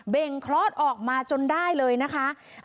่งคลอดออกมาจนได้เลยนะคะ